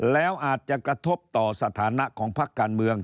แล้วอาจจะกระทบต่อสถานะของพักการเมือง